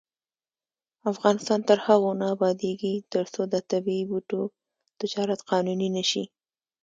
افغانستان تر هغو نه ابادیږي، ترڅو د طبیعي بوټو تجارت قانوني نشي.